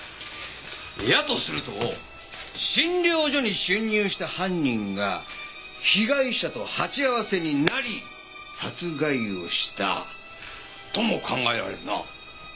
やとすると診療所に侵入した犯人が被害者と鉢合わせになり殺害をしたとも考えられるな。